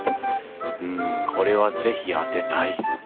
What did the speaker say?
うんこれは是非当てたい。